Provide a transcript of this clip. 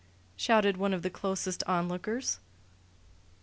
shouted one of the closest onlookers.